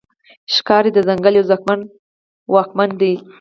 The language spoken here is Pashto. ښکاري د ځنګل یو ځواکمن واکمن دی.